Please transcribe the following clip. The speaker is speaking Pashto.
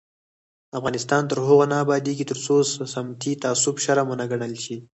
افغانستان تر هغو نه ابادیږي، ترڅو سمتي تعصب شرم ونه ګڼل شي.